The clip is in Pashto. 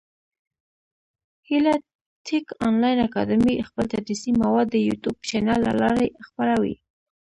هیله ټېک انلاین اکاډمي خپل تدریسي مواد د يوټیوب چېنل له لاري خپره وي.